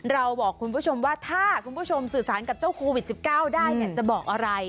เราบอกคุณผู้ชมว่าถ้าคุณผู้ชมสื่อสารกับเจ้าโควิด๑๙ได้เนี่ยจะบอกอะไร